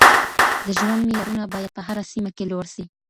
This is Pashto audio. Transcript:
د ژوند معیارونه باید په هره سیمه کي لوړ سي.